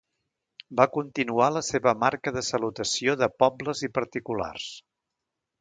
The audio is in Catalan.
Va continuar la seva marca de salutació de pobles i particulars.